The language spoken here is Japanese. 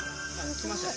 来ましたね。